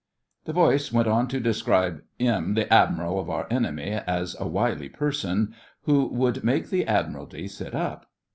The voice went on to describe ''im,' the Admiral of our enemy—as a wily person, who would make the Admiralty sit up.